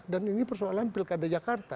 dan ini persoalan pilkada jakarta